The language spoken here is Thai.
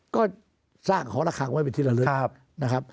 ก็สร้างหรือขังไว้เป็นที่ละลึก